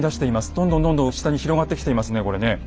どんどんどんどん下に広がってきていますねこれね。